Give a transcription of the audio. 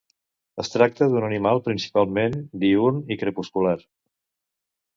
Es tracta d'un animal principalment diürn i crepuscular.